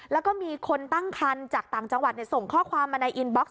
แล้วก็มีคนตั้งคันจากต่างจังหวัดส่งข้อความมาในอินบ็อกซ